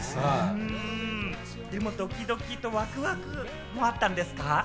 でも、ドキドキとワクワクはあったんですか？